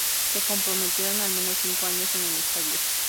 Se comprometieron en al menos cinco años en el estadio.